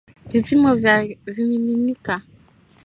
Vipimo vya vimiminika